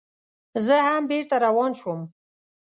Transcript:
زه هم بېرته روان شوم.